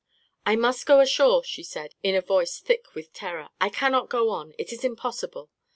" I must go ashore," she said, in * voice thick with terror. " I cannot go on. It is impossible